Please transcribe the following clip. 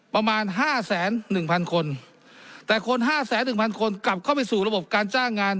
ประมาณ๕๑๐๐๐๐๐คนแต่คน๕๑๐๐๐๐๐คนกลับเข้าไปสู่ระบบการจ้างงาน